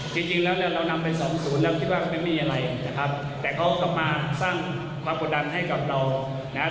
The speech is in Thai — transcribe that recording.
จริงแล้วเรานำไปสองสูทเราก็ไม่ที่ว่าเขาให้มีอะไรนะครับแต่เขาก็มาสร้างความกดดันให้กับของเรานะครับ